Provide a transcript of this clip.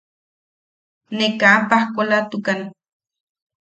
Ne kaa pajkoʼolatukan.